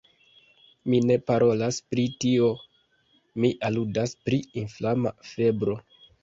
Mi ne parolas pri tio: mi aludas pri inflama febro.